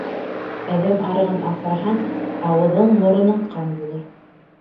Әҙәм арығын аҫраһаң, ауыҙың-мороноң ҡан булыр